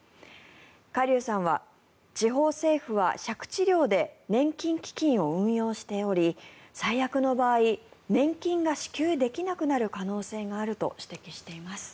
カ・リュウさんは地方政府は借地料で年金基金を運用しており最悪の場合年金が支給できなくなる可能性があると指摘しています。